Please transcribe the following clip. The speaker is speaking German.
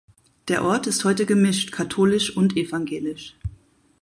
Der Ort ist heute gemischt katholisch und evangelisch.